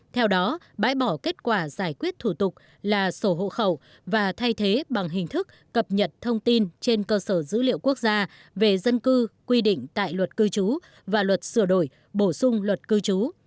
theo đó bãi bỏ kết quả giải quyết thủ tục là sổ hộ khẩu và thay thế bằng hình thức cập nhật thông tin trên cơ sở dữ liệu quốc gia về dân cư quy định tại luật cư trú và luật sửa đổi bổ sung luật cư trú